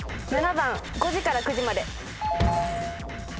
７番５時から９時まで。